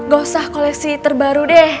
gak usah koleksi terbaru deh